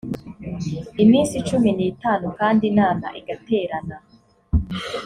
iminsi cumi n itanu kandi inama igaterana